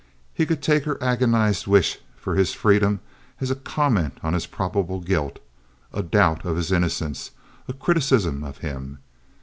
He could take her agonized wish for his freedom as a comment on his probable guilt, a doubt of his innocence, a criticism of him!